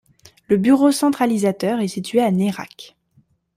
Le bureau centralisateur est situé à Nérac.